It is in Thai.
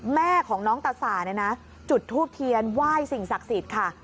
แม่ของน้องตาสาเนี่ยนะจุดทูบเทียนไหว้สิ่งศักดิ์สิทธิ์ค่ะ